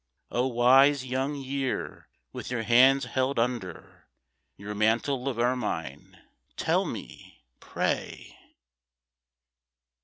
O wise Young Year, with your hands held under Your mantle of ermine, tell me, pray!